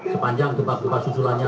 sepanjang gempa gempa susulannya